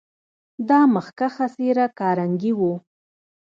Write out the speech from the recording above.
دا مخکښه څېره کارنګي و.